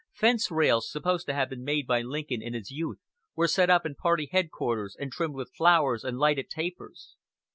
Fence rails, supposed to have been made by Lincoln in his youth, were set up in party headquarters and trimmed with flowers and lighted tapers.